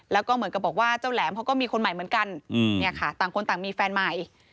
แล้วก็เหมือนกับบอกว่าเจ้าแหลมเขาก็มีคนใหม่เหมือนกันเนี่ยค่ะต่างคนต่างมีแฟนใหม่